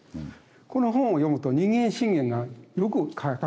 この本を読むと人間信玄がよく書かれてます。